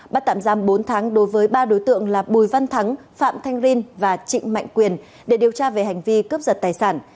bắt tạm giam bốn tháng đối với ba đối tượng là bùi văn thắng phạm thanh rin và trịnh mạnh quyền để điều tra về hành vi cướp giật tài sản